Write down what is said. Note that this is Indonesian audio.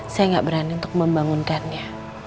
saya nggak berani untuk membangunkannya